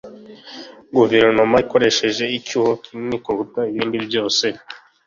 Guverinoma ikoresha icyuho kinini kuruta ibindi byose.